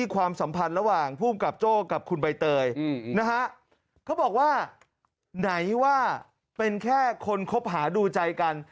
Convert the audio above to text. ความสัมพันธ์ระหว่างภูมิกับโจ้กับคุณใบเตยนะฮะเขาบอกว่าไหนว่าเป็นแค่คนคบหาดูใจกัน